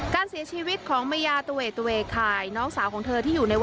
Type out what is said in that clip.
การเสียชีวิตของมะยาตัวเอกค่ะน้องสาวของเธอที่อยู่ที่นี่